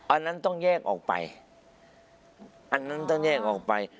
อันนั้นต้องแยกออกไปอันนั้นต้องแยกออกไป